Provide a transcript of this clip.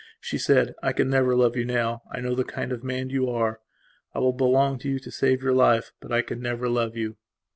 She said: "I can never love you now I know the kind of man you are. I will belong to you to save your life. But I can never love you."